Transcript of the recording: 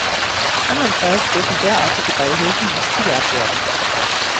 Andernfalls dürfen derartige Beihilfen nicht gewährt werden.